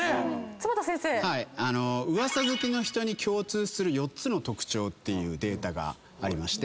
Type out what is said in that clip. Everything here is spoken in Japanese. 噂好きの人に共通する４つの特徴っていうデータがありまして。